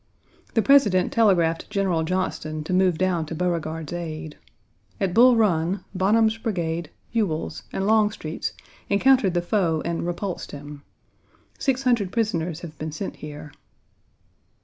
The President telegraphed General Johnston to move down to Beauregard's aid. At Bull Run, Bonham's Brigade, Ewell's, and Longstreet's encountered the foe and repulsed him. Six hundred prisoners have been sent here.